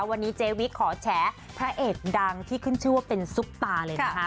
วันนี้เจวิขอแฉพระเอกดังที่ขึ้นชื่อว่าเป็นซุปตาเลยนะคะ